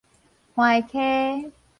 橫溪